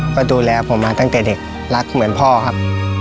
ก็ดูแลผมมาตั้งแต่เด็กรักเหมือนพ่อครับ